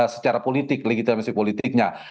secara politik legitimasi politiknya